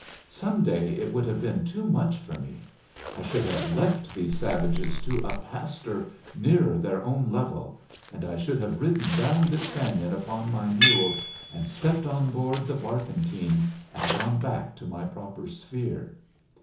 Some day it would have been too much for me. I should have left these savages to a pastor nearer their own level, and I should have ridden down this canyon upon my mule, and stepped on board the barkentine, and gone back to my proper sphere.